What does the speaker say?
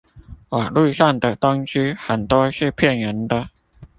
網路上的東西很多是騙人的